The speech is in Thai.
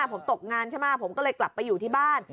ผมตกงานใช่ไหมผมก็เลยกลับไปอยู่ที่บ้าน